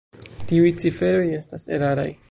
Tiuj ciferoj estas eraraj.